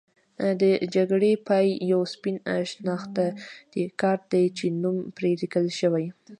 د جګړې پای یو سپین شناختي کارت دی چې نوم پرې لیکل شوی.